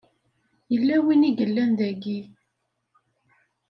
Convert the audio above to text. Yella win i yellan daki.